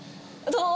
どう？